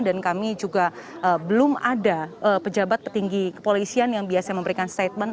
dan kami juga belum ada pejabat petinggi kepolisian yang biasa memberikan statement